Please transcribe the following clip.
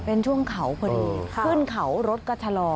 เป็นช่วงเขาพอดีขึ้นเขารถก็ชะลอ